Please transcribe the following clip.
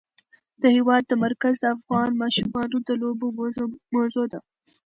د هېواد مرکز د افغان ماشومانو د لوبو موضوع ده.